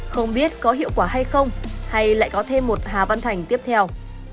không biết có hiệu quả hay không hay lại có thêm một hà văn thành tiếp theo